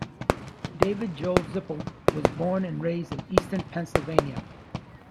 David Joel Zippel was born and raised in Easton, Pennsylvania.